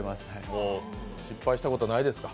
もう、失敗したことないですか？